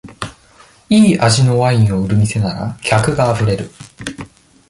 いい味のワインを売る店なら、客があふれる。